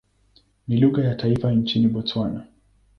Ni lugha ya taifa nchini Botswana.